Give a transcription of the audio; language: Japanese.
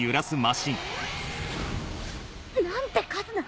何て数なん。